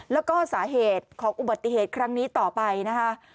แล้วก็สาเหตุของอุบัติเหตุครั้งนี้ต่อไปนะคะ